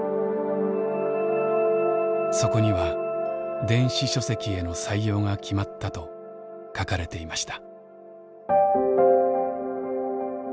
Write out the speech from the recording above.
そこには電子書籍への採用が決まったと書かれていました。